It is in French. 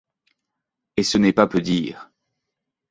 Et ce n'est pas peu dire.